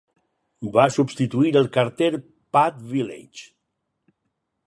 Va substituir el carter Pat Village.